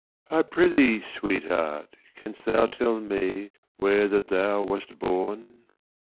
'—IX'I prithee, sweetheart, canst thou tell meWhere that thou wast born?